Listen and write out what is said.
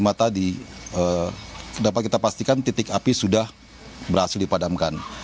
jadi dapat kita pastikan titik api sudah berhasil dipadamkan